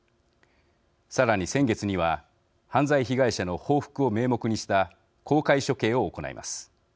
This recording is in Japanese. さらに、先月には犯罪被害者の報復を名目にした公開処刑を行います。